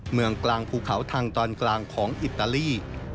เมืองกลางภูเขาทางตอนกลางของอิตาลี